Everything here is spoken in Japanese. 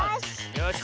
よし。